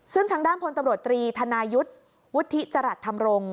ซึ่งทางด้านพลตำรวจตรีธนายุทธ์วุฒิจรัสธรรมรงค์